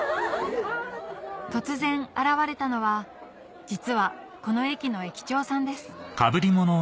突然現れたのは実はこの駅の駅長さんです